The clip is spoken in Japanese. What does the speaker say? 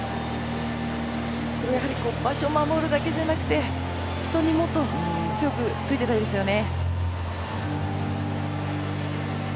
やっぱり場所を守るだけじゃなくて人に、もっと強くついていきたいですね。